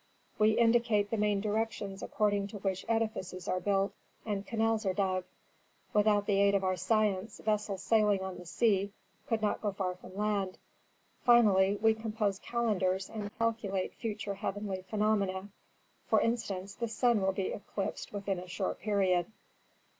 We indicate the main directions according to which edifices are built and canals are dug. Without the aid of our science vessels sailing on the sea could not go far from land. Finally we compose calendars and calculate future heavenly phenomena. For instance, the sun will be eclipsed within a short period."